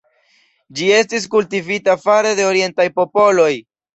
Ĝi estis kultivita fare de orientaj popoloj.